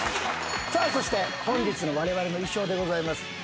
そして本日のわれわれの衣装でございます。